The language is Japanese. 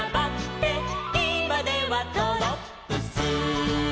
「いまではドロップス」